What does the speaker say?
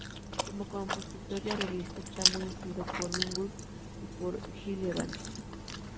Como compositor y arreglista, está muy influido por Mingus y por Gil Evans.